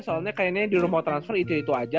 soalnya kayaknya di rumah transfer itu itu aja